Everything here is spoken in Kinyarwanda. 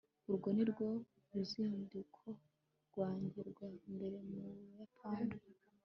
urwo nirwo ruzinduko rwanjye rwa mbere mu buyapani